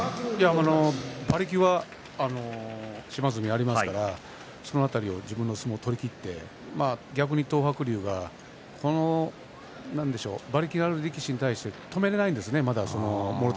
馬力は島津海ありますからその辺り、自分の相撲を取りきって逆に東白龍は馬力のある力士に対して止められません。